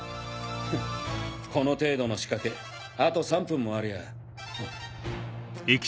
フッこの程度の仕掛けあと３分もありゃ。